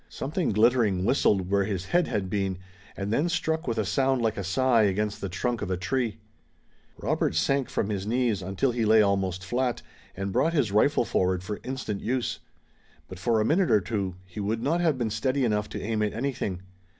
Something glittering whistled where his head had been, and then struck with a sound like a sigh against the trunk of a tree. Robert sank from his knees, until he lay almost fiat, and brought his rifle forward for instant use. But, for a minute or two, he would not have been steady enough to aim at anything.